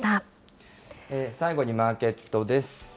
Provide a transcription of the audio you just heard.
最後にマーケットです。